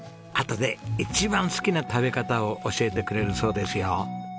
あとで一番好きな食べ方を教えてくれるそうですよ。